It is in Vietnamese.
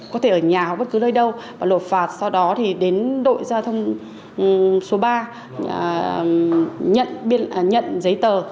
có thể ở nhà bất cứ nơi đâu và lột phạt sau đó thì đến đội giao thông số ba nhận giấy tờ